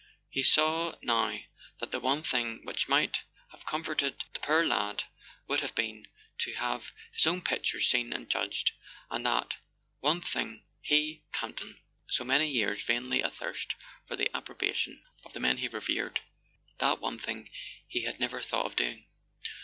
He saw now that the one thing which might have comforted the poor lad would have been to have his own pictures seen and judged; and that one thing, he, Campton, so many years vainly athirst for the approbation of the men he [ 149 ] A SON AT THE FRONT revered—that one thing he had never thought of do¬ ing